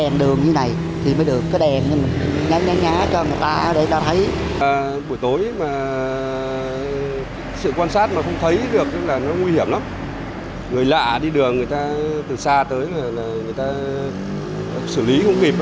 người lạ đi đường người ta từ xa tới người ta xử lý không kịp